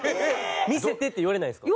見せてって言われないですか？